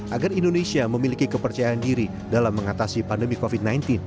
agar indonesia memiliki kepercayaan diri dalam mengatasi pandemi covid sembilan belas